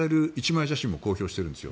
１枚写真も公表しているんです。